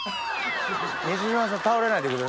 西島さん倒れないでください。